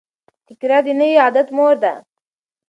تکرار د نوي عادت مور ده.